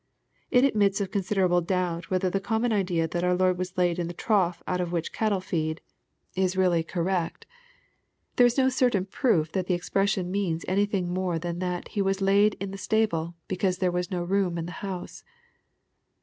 It admits of considerable doubt whether the common ide^ that our Lord was laid in the trough out of which cattle feed, ia LUKE, CHAP. n. 55 seally correct Phere is no certain proof tliat thi> expression means anjtiiing more than that he was '^ laid in the stable, because there was no room in the house."